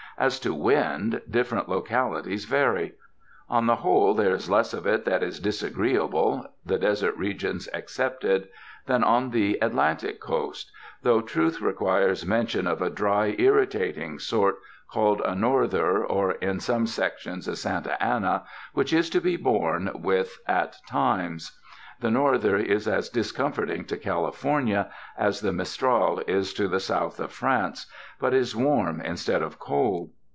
As to wind, different lo calities vary. On the whole there is less of it that is disagreeable (the desert regions excepted) than on the Atlantic coast ; though truth requires mention of a dry, irritating sort called a norther, or in some sec tions a Santa Ana, which is to be borne with at times. The norther is as discomforting to Cali fornia as the mistral is to the south of France, but is warm instead of cold.